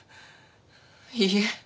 いいえ。